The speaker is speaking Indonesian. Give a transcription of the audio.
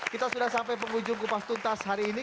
kita sudah sampai penghujung kupas tuntas hari ini